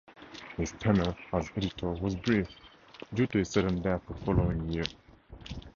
His tenure as editor was brief due to his sudden death the following year.